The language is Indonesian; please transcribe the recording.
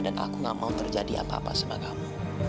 dan aku gak mau terjadi apa apa sama kamu